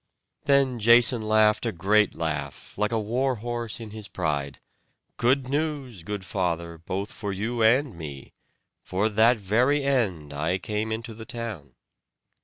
Then Jason laughed a great laugh, like a war horse in his pride: "Good news, good father, both for you and me. For that very end I came into the town."